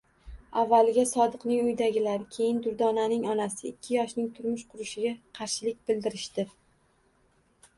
Avvaliga Sodiqning uyidagilar, keyin Durdonaning onasi ikki yoshning turmush qurishiga qarshilik bildirishdi